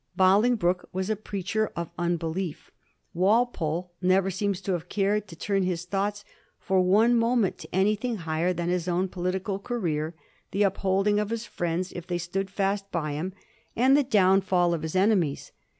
Bolingbroke was a preacher of unbelief. Walpole never seems to have cared to turn his thoaghts for one moment to anything higher than his own political career, the upholding of his friends if they stood fast by him, and the downfall of his enemies.